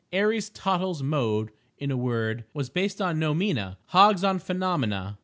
Aries Tottle's mode, in a word, was based on noumena; Hog's on phenomena.